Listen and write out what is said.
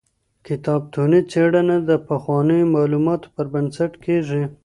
کتابتوني څېړنه د پخوانیو معلوماتو پر بنسټ کیږي.